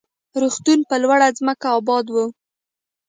روغتون پر لوړه ځمکه اباد و.